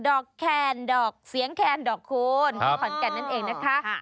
อกแคนดอกเสียงแคนดอกโคนที่ขอนแก่นนั่นเองนะคะ